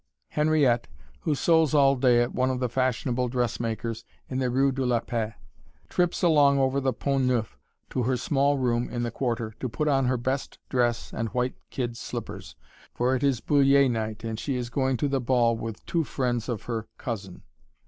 Henriette, who sews all day at one of the fashionable dressmakers' in the rue de la Paix, trips along over the Pont Neuf to her small room in the Quarter to put on her best dress and white kid slippers, for it is Bullier night and she is going to the ball with two friends of her cousin.